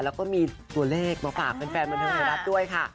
แล้วก็มีตัวเลขมาฝากเพื่อนบันทึกให้รับด้วยค่ะ